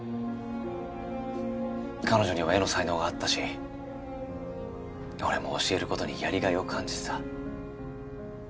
彼女には絵の才能があったし俺も教えることにやりがいを感じてた。